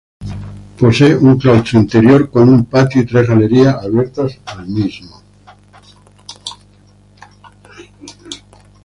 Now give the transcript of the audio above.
Posee un claustro interior, con un patio y tres galerías abiertas al mismo.